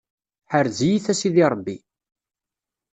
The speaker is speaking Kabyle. Ḥrez-iyi-t a sidi Ṛebbi.